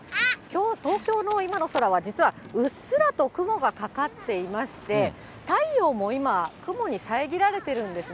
東京の今の空は実はうっすらと雲がかかっていまして、太陽も今、雲に遮られているんですね。